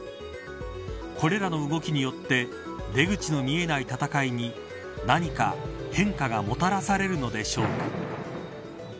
これらの動きによって出口の見えない戦いに何か変化がもたらされるのでしょうか。